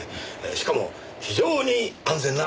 しかも非常に安全な金庫です。